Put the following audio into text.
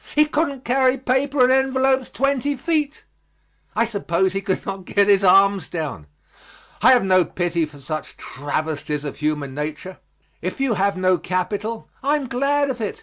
He couldn't carry paper and envelopes twenty feet. I suppose he could not get his arms down. I have no pity for such travesties of human nature. If you have no capital, I am glad of it.